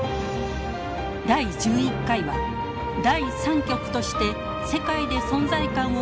第１１回は第３極として世界で存在感を増すトルコです。